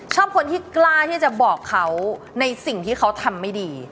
คนที่กล้าที่จะบอกเขาในสิ่งที่เขาทำไม่ดี